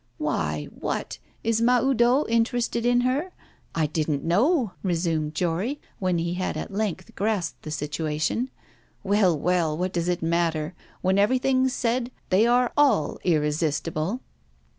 'Why? What? Is Mahoudeau interested in her? I didn't know,' resumed Jory, when he had at length grasped the situation. 'Well, well, what does it matter? When everything's said, they are all irresistible.